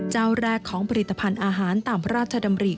เจ้าแรกของผลิตภัณฑ์อาหารตามพระราชดำริ